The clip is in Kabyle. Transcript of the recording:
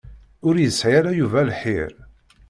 Ur yesɛi ara Yuba lḥir.